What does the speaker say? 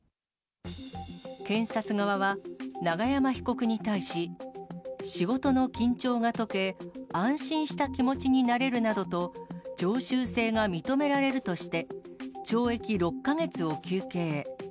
検察側は永山被告に対し、仕事の緊張が解け、安心した気持ちになれるなどと、常習性が認められるとして、懲役６か月を求刑。